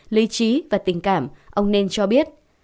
lý trí và tình cảm ông nên cho biết